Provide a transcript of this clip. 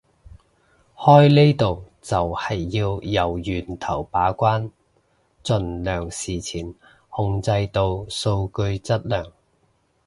開呢度就係要由源頭把關盡量事前控制到數據質量